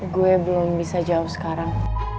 gue belum bisa jauh sekarang